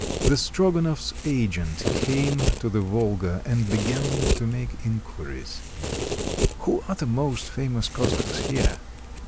The Strogonoffs' agent came to the Volga and began to make inquiries: — "Who are the most famous Cossacks here?"